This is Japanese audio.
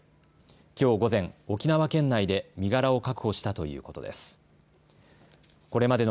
きょう午前、沖縄県内で身柄を確保したということです。